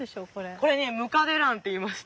これねムカデランっていいまして。